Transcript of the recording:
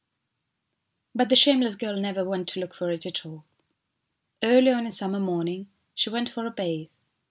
But the shameless girl never went to look for it at all. Early on a summer morning she went for a bathe.